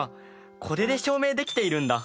これで証明できているんだ！